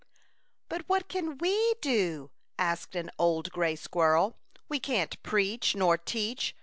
But what can we do ?" asked an old gray squirrel. "We can't preach, nor teach.